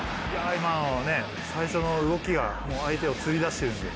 今の最初の動きがもう相手をつり出しているんです。